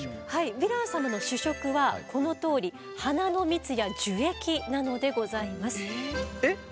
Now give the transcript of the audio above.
ヴィラン様の主食はこのとおり花の蜜や樹液なのでございます。